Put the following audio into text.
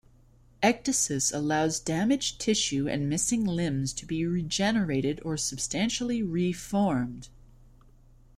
Ecdysis allows damaged tissue and missing limbs to be regenerated or substantially re-formed.